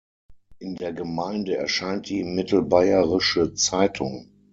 In der Gemeinde erscheint die Mittelbayerische Zeitung.